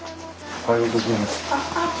おはようございます。